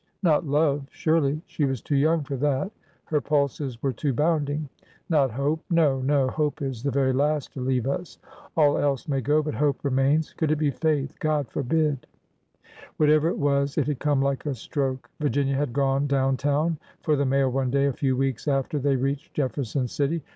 Not love, surely. She was too young for that— her pulses were too bounding. Not hope? No, no. Hope is the very last to leave us. All else may go, but hope re mains. Could it be faith? God forbid! 368 ORDER NO. 11 Whatever it was, it had come like a stroke. Virginia had gone down town for the mail one day a few weeks after they reached Jefferson City.